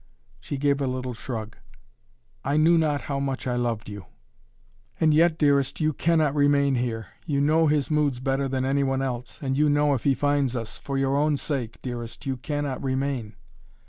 She gave a little shrug. "I knew not how much I loved you." "And yet, dearest, you cannot remain here. You know his moods better than any one else and you know if he finds us for your own sake, dearest, you cannot remain."